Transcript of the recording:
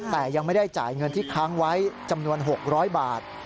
แต่ยังไม่ได้จ่ายเงินที่ค้างไว้จำนวน๖๐๐บาท